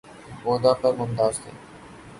عہدہ پر ممتاز تھے